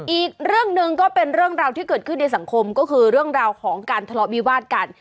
อีกเรื่องหนึ่งก็เป็นเรื่องราวที่เกิดขึ้นในสังคมก็คือเรื่องราวของการทะเลาะวิวาดกัน